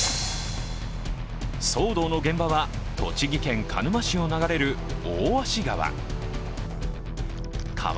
騒動の現場は栃木県鹿沼市を流れる大芦川。